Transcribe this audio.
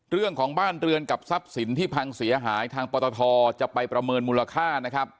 เรื่องของบ้านเรือนกับทรัพย์สินที่พังเสียหายทางปตทจะไปประเมินมูลค่านะครับ